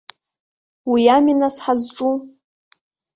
Уи ами, нас, ҳазҿу.